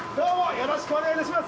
よろしくお願いします